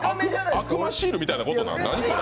悪魔シールみたいなことなん？